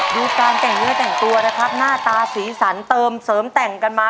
ดูการแต่งเนื้อแต่งตัวนะครับหน้าตาสีสันเติมเสริมแต่งกันมา